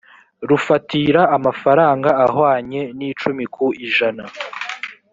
rufatira amafaranga ahwanye n icumi ku ijana